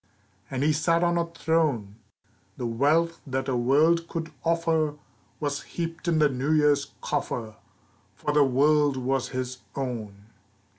And he sat on a throne! The wealth that a world could offer Was heaped in the New Year's coffer, For the world was his own.